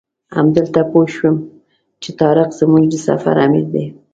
همدلته پوی شوم چې طارق زموږ د سفر امیر دی.